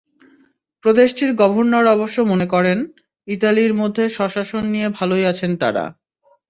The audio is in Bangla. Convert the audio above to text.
প্রদেশটির গভর্নর অবশ্য মনে করেন, ইতালির মধ্যে স্বশাসন নিয়ে ভালোই আছেন তাঁরা।